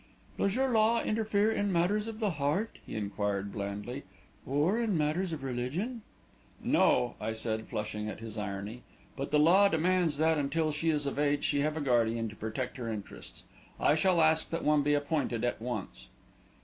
"Does your law interfere in matters of the heart?" he inquired blandly; "or in matters of religion?" "No," I said, flushing at his irony; "but the law demands that, until she is of age, she have a guardian to protect her interests. I shall ask that one be appointed at once."